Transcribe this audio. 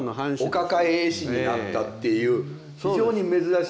お抱え絵師になったっていう非常に珍しい。